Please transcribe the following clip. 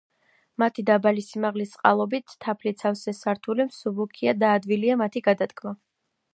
მათი დაბალი სიმაღლის წყალობით თაფლით სავსე სართული მსუბუქია და ადვილია მათი გადადგმა.